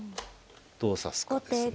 どう指すかですね。